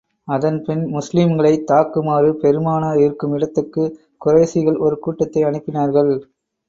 அதன் பின், முஸ்லிம்களைத் தாக்குமாறு பெருமானார் இருக்கும் இடத்துக்குக் குறைஷிகள் ஒரு கூட்டத்தை அனுப்பினார்கள்.